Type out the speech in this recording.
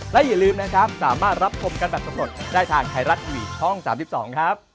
และอย่าลืมนะครับสามารถรับชมกันแบบสำรวจได้ทางไทยรัฐทีวีช่อง๓๒ครับ